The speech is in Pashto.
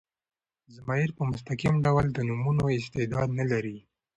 ضمایر په مستقیم ډول د نومونو استعداد نه لري.